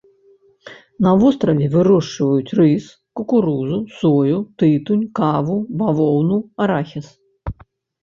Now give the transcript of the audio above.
На востраве вырошчваюць рыс, кукурузу, сою, тытунь, каву, бавоўну, арахіс.